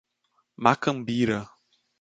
Macambira